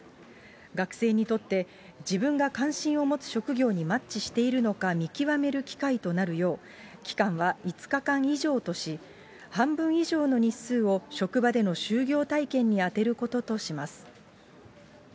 学生にとって、自分が関心を持つ職業にマッチしているのか見極める機会となるよう、期間は５日間以上とし、半分以上の日数を職場での就業体験にあてることとします。